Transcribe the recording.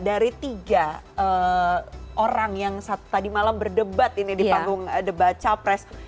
dari tiga orang yang tadi malam berdebat ini di panggung debat capres